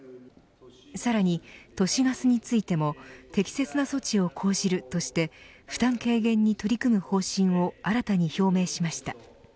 さらに都市ガスについても適切な措置を講じるとして負担軽減に取り組む方針を新たに表明しました。